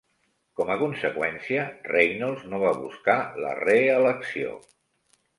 Com a conseqüència, Reynolds no va buscar la reelecció.